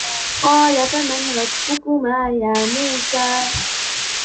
قَالَ فَمَنْ رَبُّكُمَا يَا مُوسَى